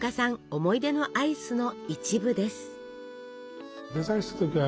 思い出のアイスの一部です。